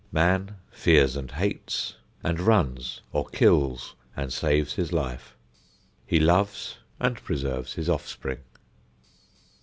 Man fears and hates, and runs or kills and saves his life. He loves, and preserves his offspring.